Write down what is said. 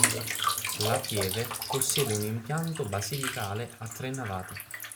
La pieve possiede un impianto basilicale a tre navate.